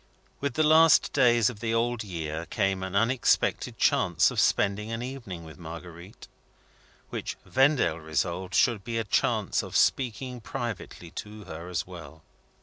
With the last days of the old year came an unexpected chance of spending an evening with Marguerite, which Vendale resolved should be a chance of speaking privately to her as well.